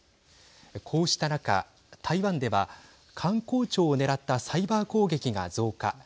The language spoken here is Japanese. こうした中、台湾では観光庁を狙ったサイバー攻撃が増加。